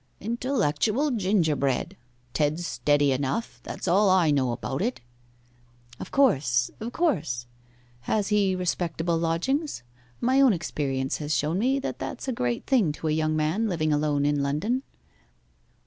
'Intellectual gingerbread! Ted's steady enough that's all I know about it.' 'Of course of course. Has he respectable lodgings? My own experience has shown me that that's a great thing to a young man living alone in London.